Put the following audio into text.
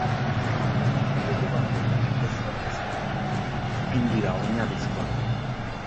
Kanpoko mailegu batek nekez ordezkatuko ditu, hain dira oinarrizkoak.